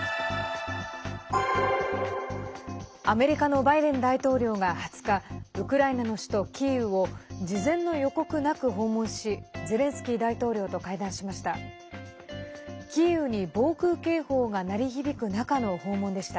アメリカのバイデン大統領が２０日ウクライナの首都キーウを事前の予告なく訪問しゼレンスキー大統領と会談しました。